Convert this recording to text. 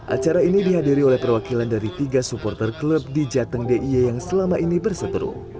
acara ini dihadiri oleh perwakilan dari tiga supporter klub di jateng d i e yang selama ini berseteru